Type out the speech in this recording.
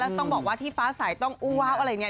ต้องบอกว่าที่ฟ้าสายต้องอู้ว้าวอะไรอย่างนี้